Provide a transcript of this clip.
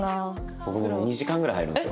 僕もう２時間ぐらい入るんですよ。